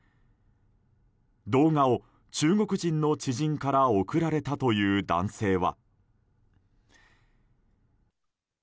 動画を中国人の知人から送られたという男性は。